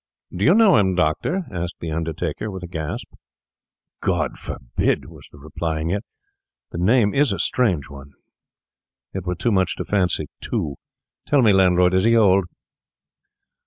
'Do you know him, Doctor?' asked the undertaker, with a gasp. 'God forbid!' was the reply. 'And yet the name is a strange one; it were too much to fancy two. Tell me, landlord, is he old?